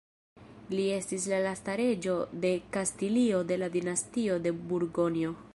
Li estis la lasta reĝo de Kastilio de la Dinastio de Burgonjo.